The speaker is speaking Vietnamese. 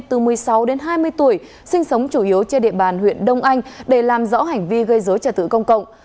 từ một mươi sáu đến hai mươi tuổi sinh sống chủ yếu trên địa bàn huyện đông anh để làm rõ hành vi gây dối trả tự công cộng